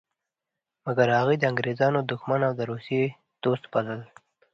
مګر هغه یې د انګریزانو دښمن او د روسانو دوست باله.